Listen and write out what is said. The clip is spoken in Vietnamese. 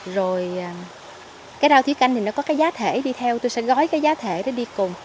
rồi cái rau thí canh thì nó có cái giá thể đi theo tôi sẽ gói cái giá thể để đi cùng